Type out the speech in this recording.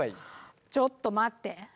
ちょっと待って。